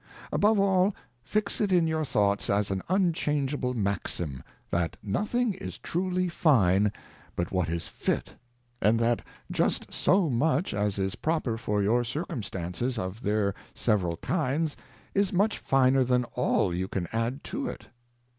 Above all, fix it in your thoughts, as an unchangeable Maxim, That noihmg ^trMhL^ne but what is^^, and that just so much as is proper for your Circumstances of their several kinds, is much finer than all you can add to it.